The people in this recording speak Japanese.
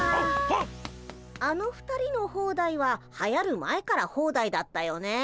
あの２人のホーダイははやる前からホーダイだったよね。